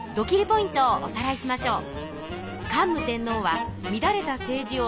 ポイントをおさらいしましょう。